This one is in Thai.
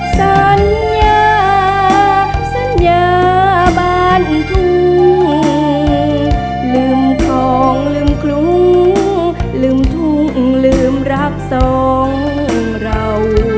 สัญญาสัญญาบ้านทุ่งลืมทองลืมคลุ้งลืมทุ่งลืมรักสองเรา